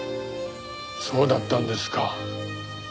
そうだったんですか。